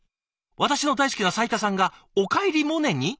私の大好きな斉田さんがおかえりモネに！？